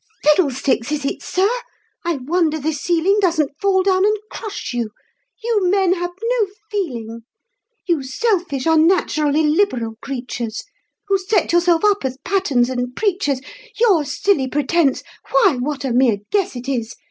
"Fiddlesticks, is it, sir? I wonder the ceiling Doesn't fall down and crush you you men have no feeling; You selfish, unnatural, illiberal creatures, Who set yourselves up as patterns and preachers, Your silly pretense why, what a mere guess it is!